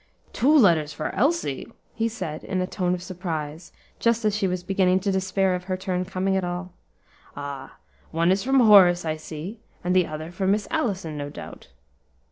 "Two letters for Elsie!" he said, in a tone of surprise, just as she was beginning to despair of her turn coming at all. "Ah; one is from Horace, I see; and the other from Miss Allison, no doubt."